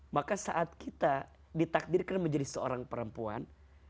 maka saat kita ditakdirkan menjadi seorang perempuan